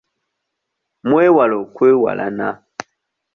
Mwewale okwewalana.